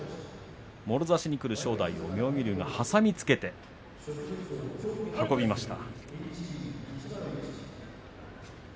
もろ差しにくる正代を妙義龍が挟みつけて運びました。